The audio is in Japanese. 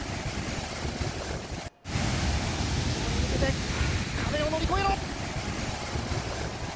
決勝に向けて壁を乗り超えろ！